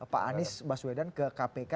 pak anies baswedan ke kpk